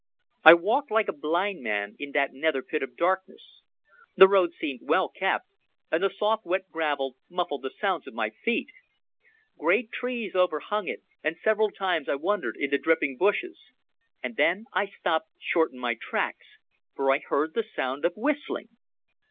I walked like a blind man in that nether pit of darkness. The road seemed well kept, and the soft wet gravel muffled the sounds of my feet. Great trees overhung it, and several times I wandered into dripping bushes. And then I stopped short in my tracks, for I heard the sound of whistling.